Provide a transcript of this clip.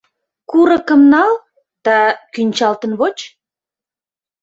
Курыкым нал да кӱнчалтын воч.